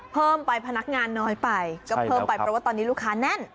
เพิ่มไปพนักงานน้อยไปก็เพิ่มไปเพราะว่าตอนนี้ลูกค้าแน่น